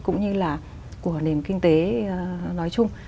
cũng như là của nền kinh tế nói chung